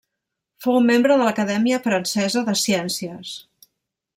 Fou membre de l'Acadèmia Francesa de Ciències.